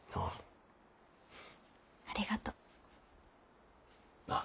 ありがとう。ああ。